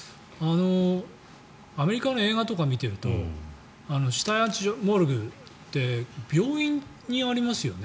アメリカの映画とかを見ていると死体安置所、モルグって病院にありますよね。